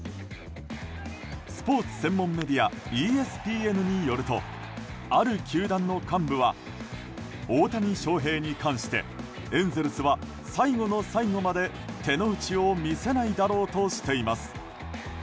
スポーツ専門メディアＥＳＰＮによるとある球団の幹部は大谷翔平に関してエンゼルスは最後の最後まで手の内を見せないだろうとしています。